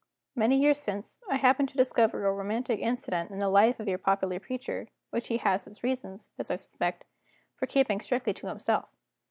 Many years since, I happened to discover a romantic incident in the life of your popular preacher, which he has his reasons, as I suspect, for keeping strictly to himself.